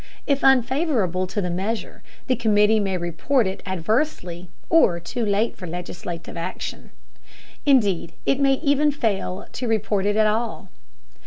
If unfavorable to the measure, the committee may report it adversely, or too late for legislative action. Indeed, it may even fail to report it at all.